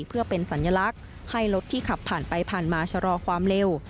เพื่อเป็นสัญลักษณ์ให้รถที่ขับผ่านไปผ่านมาชะลอความเร็ว